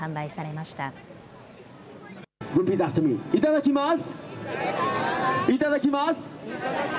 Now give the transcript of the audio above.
いただきます。